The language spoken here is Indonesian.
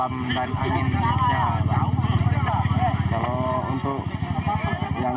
pada malam ini negarak declining